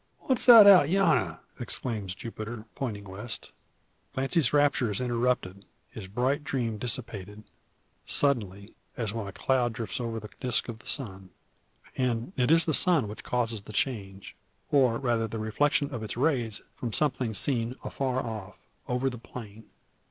"What's that out yonner?" exclaims Jupiter, pointing west. Clancy's rapture is interrupted his bright dream dissipated suddenly, as when a cloud drifts over the disc of the sun. And it is the sun which causes the change, or rather the reflection of its rays from something seen afar off, over the plain.